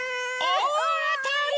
おおあたり！